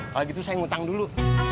kalau gitu saya ngutang dulu